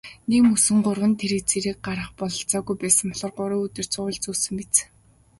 Нэгмөсөн гурван тэрэг зэрэг гаргах бололцоогүй байсан болохоор гурван өдөр цувуулж зөөсөн биз.